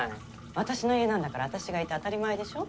私の家なんだから私がいて当たり前でしょ？